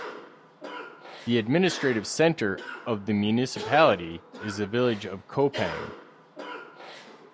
The administrative centre of the municipality is the village of Koppang.